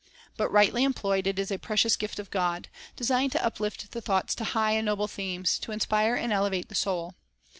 But, rightly employed, it is a precious gift of God, designed to uplift the thoughts to high and noble themes, to inspire and elevate the soul.